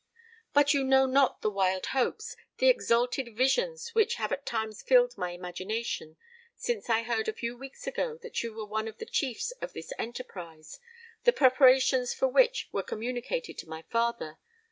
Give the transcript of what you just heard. "But you know not the wild hopes—the exalted visions which have at times filled my imagination, since I heard a few weeks ago that you were one of the chiefs of this enterprise, the preparations for which were communicated to my father.